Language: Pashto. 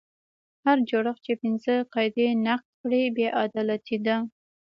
هر جوړښت چې پنځه قاعدې نقض کړي بې عدالتي ده.